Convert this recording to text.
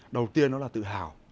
đầu tiên nó là tự hào